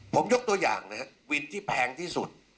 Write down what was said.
ผมยกตัวอย่างนะครับวินที่แพงที่สุด